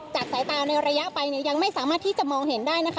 สายตาในระยะไปเนี่ยยังไม่สามารถที่จะมองเห็นได้นะคะ